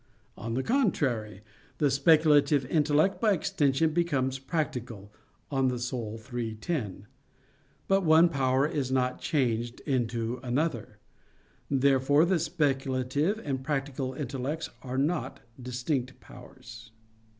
On the contrary, The speculative intellect by extension becomes practical (De Anima iii, 10). But one power is not changed into another. Therefore the speculative and practical intellects are not distinct powers.